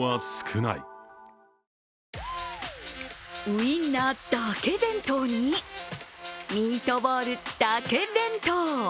ウインナーだけ弁当にミートボールだけ弁当。